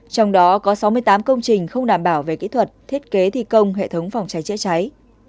trong đó có sáu mươi tám công trình không đảm bảo về kỹ thuật thiết kế thi công hệ thống phòng cháy chữa cháy